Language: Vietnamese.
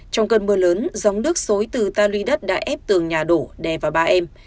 trong cơn mưa lớn gióng nước xối từ ta luy đất đã ép tường nhà đổ đè vào ba em